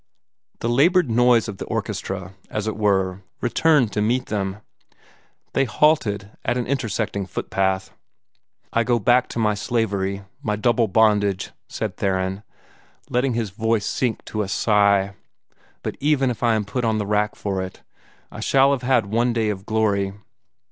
The labored noise of the orchestra, as it were, returned to meet them. They halted at an intersecting footpath. "I go back to my slavery my double bondage," said Theron, letting his voice sink to a sigh. "But even if I am put on the rack for it, I shall have had one day of glory."